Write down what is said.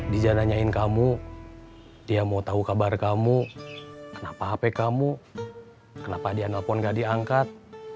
dija nanyain kamu dia mau tahu kabar kamu kenapa hp kamu kenapa dia nelpon gak diangkat